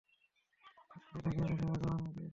আর সেটাই তাকে এই দেশের রাজা বানিয়ে দিয়েছে।